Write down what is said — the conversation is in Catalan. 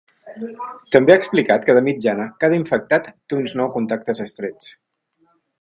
També ha explicat que de mitjana cada infectat té uns nou contactes estrets.